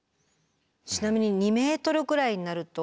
ちなみに２ｍぐらいになると。